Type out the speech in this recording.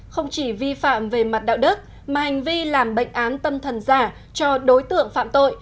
không chỉ vi phạm về mặt đạo đức mà hành vi làm bệnh án tâm thần giả cho đối tượng phạm tội